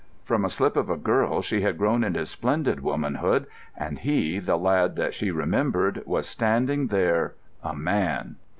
From a slip of a girl she had grown into splendid womanhood; and he, the lad that she remembered, was standing there—a man.